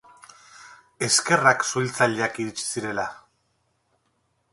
Eskerrak suhiltzaileak iritsi zirela!